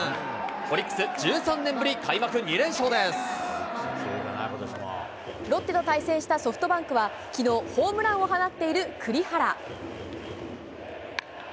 オリックス、１３年ぶり開幕２連ロッテと対戦したソフトバンクは、きのう、ホームランを放っている栗原。